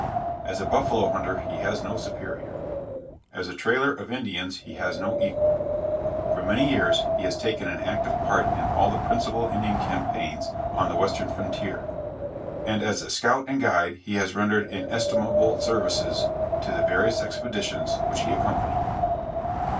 As a buffalo hunter he has no superior; as a trailer of Indians he has no equal. For many years he has taken an active part in all the principal Indian campaigns on the Western frontier, and as a scout and guide he has rendered inestimable services to the various expeditions which he accompanied.